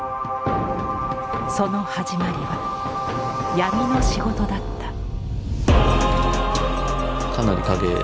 その始まりは闇の仕事だった。